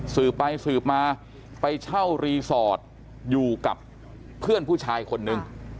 สืบไปสืบมาไปเช่ารีสอร์ทอยู่กับเพื่อนผู้ชายคนนึง